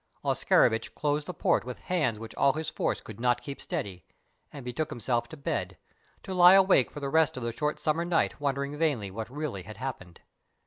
Oscarovitch closed the port with hands which all his force could not keep steady, and betook himself to bed, to lie awake for the rest of the short summer night wondering vainly what really had happened.